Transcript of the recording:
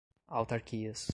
autarquias